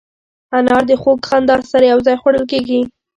انار د خوږ خندا سره یو ځای خوړل کېږي.